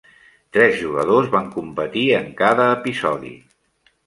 Tres jugadors van competir en cada episodi.